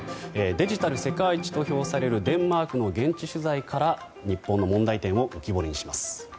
デジタル世界一と評されるデンマークの現地取材から日本の問題点を浮き彫りにします。